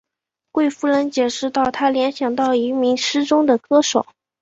贵夫人解释道她联想到一名失踪的歌手。